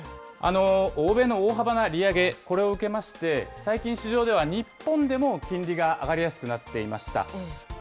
欧米の大幅な利上げ、これを受けまして、最近、市場では日本でも金利が上がりやすくなっていました。